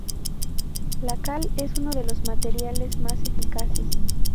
La cal es uno de los materiales más eficaces.